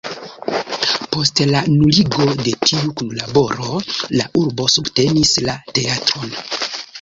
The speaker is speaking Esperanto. Post la nuligo de tiu kunlaboro la urbo subtenis la teatron.